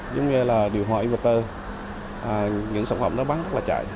giống như là điều hòa inverter những sản phẩm đó bán rất là chạy